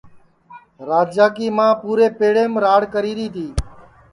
راجا کی مان پُورے پیڑیم راڑ کری تی